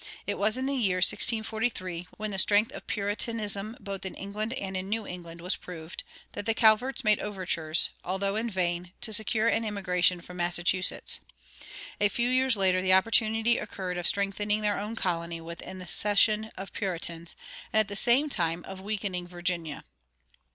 It was in the year 1643, when the strength of Puritanism both in England and in New England was proved, that the Calverts made overtures, although in vain, to secure an immigration from Massachusetts. A few years later the opportunity occurred of strengthening their own colony with an accession of Puritans, and at the same time of weakening Virginia.